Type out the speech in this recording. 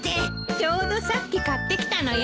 ちょうどさっき買ってきたのよ。